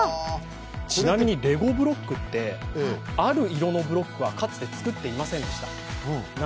ちなみにレゴブロックって、ある色のブロックはかつて作っていませんでした。